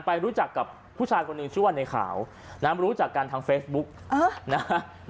รู้จักกับผู้ชายคนหนึ่งชื่อว่าในขาวน้ำรู้จักกันทางเฟซบุ๊กนะฮะ